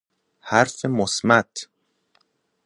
حرف مصمت